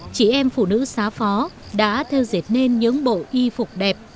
chị em phụ nữ xá phó đã theo dệt nên những bộ y phục đẹp